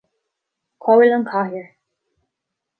Cá bhfuil an chathaoir